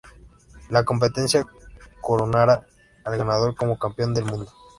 La competencia coronará al ganador como campeón del mundo.